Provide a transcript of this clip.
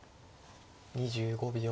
２５秒。